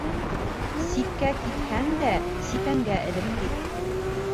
Ситкә китһәң дә ситәнгә элеп кит.